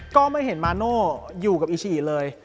ก็ไม่เห็นมาโน่อยู่กับอิชิเลย